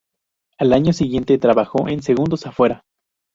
Al año siguiente trabajó en "¡Segundos afuera!